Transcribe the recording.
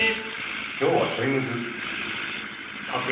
きょうはちょいむずさて